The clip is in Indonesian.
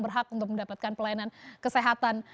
berhak untuk mendapatkan pelayanan kesehatan